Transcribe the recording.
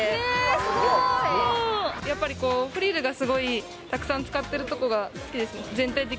やっぱりこう、フリルがすごいたくさん使っているところが好きですね。